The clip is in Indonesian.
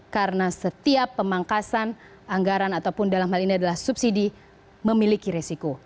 karena setiap pemangkasan anggaran ataupun dalam hal ini adalah subsidi memiliki resiko